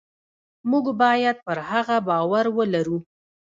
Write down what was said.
موږ باید پر هغه باور ولرو.